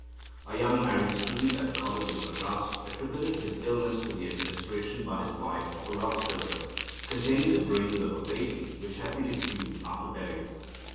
A young married student at a college in Madras attributed his illness to the administration by his wife of a love philtre containing the brains of a baby which had been exhumed after burial.